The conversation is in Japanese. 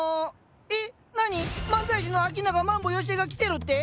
えなに⁉漫才師の秋永マンボ・よしえが来てるって？